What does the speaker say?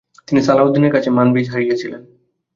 তিনি সালাহউদ্দিনের কাছে মানবিজ হারিয়েছিলেন।